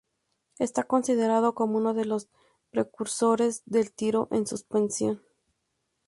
Está considerado como uno de los precursores del tiro en suspensión.